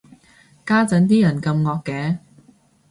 家陣啲人咁惡嘅